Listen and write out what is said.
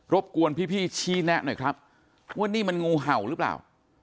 บกวนพี่ชี้แนะหน่อยครับว่านี่มันงูเห่าหรือเปล่า